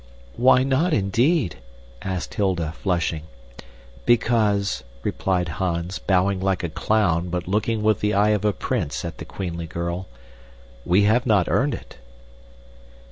"Why not, indeed?" asked Hilda, flushing. "Because," replied Hans, bowing like a clown but looking with the eye of a prince at the queenly girl, "we have not earned it."